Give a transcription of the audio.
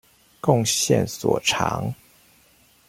貢獻所長